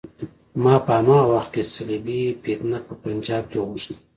ما په هماغه وخت کې صلیبي فتنه په پنجاب کې غوښته.